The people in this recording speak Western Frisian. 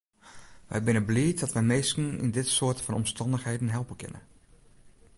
Wy binne bliid dat wy minsken yn dit soarte fan omstannichheden helpe kinne.